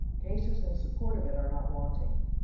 Cases in support of it are not wanting.